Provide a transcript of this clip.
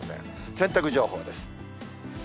洗濯情報です。